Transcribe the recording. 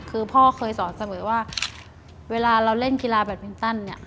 คือพ่อเคยสอนเสมอว่าเวลาเราเล่นกีฬาแบตมินตันเนี่ย